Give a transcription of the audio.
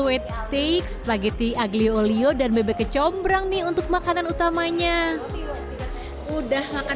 weight stick spaghetti aglio olio dan bebek kecombrang nih untuk makanan utamanya udah makan